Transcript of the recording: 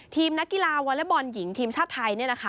ทีมนักกีฬาวลบอลหญิงทีมชาติไทย